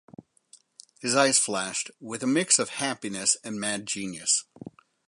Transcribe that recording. His eyes flashed with a mix of happiness and mad genius.